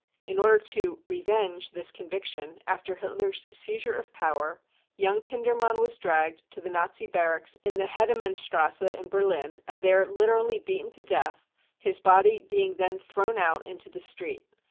In order to " re venge 99 this conviction, after Hitler's seizure of power young Kindermann was dragged to the Nazi barracks in the Hedemannstrasse in Berlin and there literally ^beaten to death, his body being then thrown out into the street.